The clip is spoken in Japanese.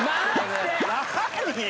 何よ。